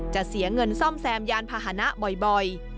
จะเสียเงินซ่อมแซมยานพาหนะบ่อย